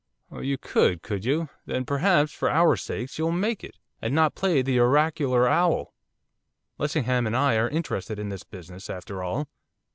'Oh you could, could you, then, perhaps, for our sakes, you'll make it, and not play the oracular owl! Lessingham and I are interested in this business, after all.